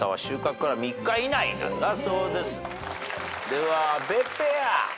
では阿部ペア。